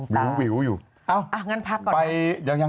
เครื่องไวรัสลงตาหวิวอยู่